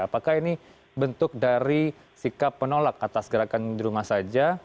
apakah ini bentuk dari sikap penolak atas gerakan di rumah saja